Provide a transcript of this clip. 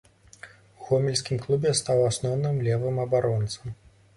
У гомельскім клубе стаў асноўным левым абаронцам.